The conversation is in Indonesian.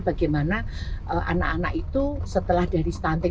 bagaimana anak anak itu setelah dari stunting